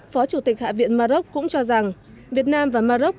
phó chủ tịch hạ viện mà rốc cũng cho rằng việt nam và mà rốc